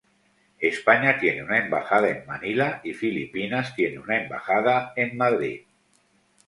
España tiene una embajada en Manila, y Filipinas tiene una embajada en Madrid.